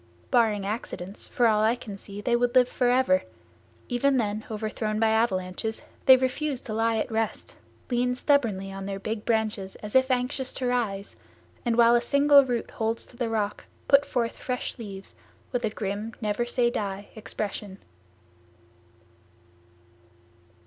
Barring accidents, for all I can see they would live forever; even then overthrown by avalanches, they refuse to lie at rest, lean stubbornly on their big branches as if anxious to rise, and while a single root holds to the rock, put forth fresh leaves with a grim, never say die expression.